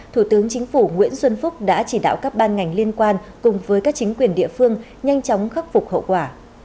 thủ tướng chính phủ nguyễn xuân phúc đã chỉ đạo các ban ngành liên quan cùng với các chính quyền địa phương nhanh chóng khắc phục hậu quả